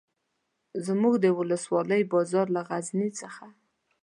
زموږ د ولسوالۍ بازار له غزني څخه.